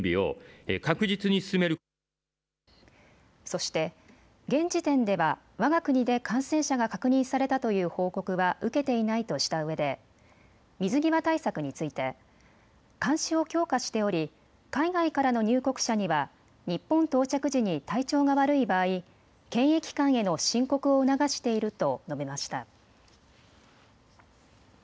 そして現時点ではわが国で感染者が確認されたという報告は受けていないとしたうえで水際対策について監視を強化しており、海外からの入国者には日本到着時に体調が悪い場合、検疫官への申告を促していると述べました。